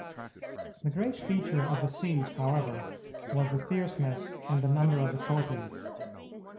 The great feature of the siege, however, was the fierceness and the number of the sorties.